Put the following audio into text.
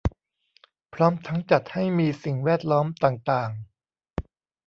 พร้อมทั้งจัดให้มีสิ่งแวดล้อมต่างต่าง